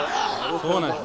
そうなんです